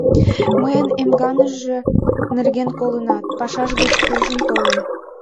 Мыйын эмганыме нерген колынат, пашаж гыч куржын толын.